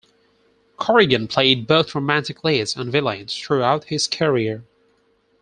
Corrigan played both romantic leads and villains throughout his career.